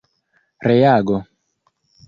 reago